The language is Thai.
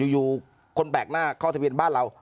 อยู่คนแปลกหน้าเข้าทะเบียนบ้านเรา